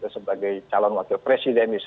sebagai calon wakil presiden